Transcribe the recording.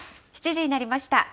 ７時になりました。